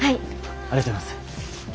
ありがとうございます。